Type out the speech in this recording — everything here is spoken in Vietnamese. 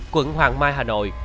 quận hoàng mai hà nội